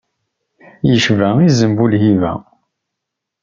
Yecba izem bu lhibat.